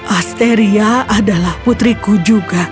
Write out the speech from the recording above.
asteria adalah putriku juga